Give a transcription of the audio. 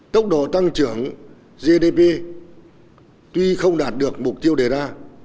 tốc độ tăng trưởng gdp tuy không đạt được mục tiêu đề ra